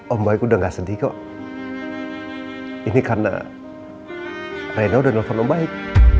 om baik udah gak sedih kok ini karena reina udah telepon om baik